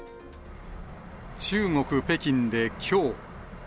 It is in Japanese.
中国・北京できょう。